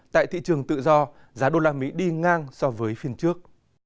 tại thị trường tự do giá đô la mỹ đi ngang so với phiên trước